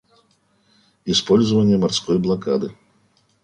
Использование морской блокады.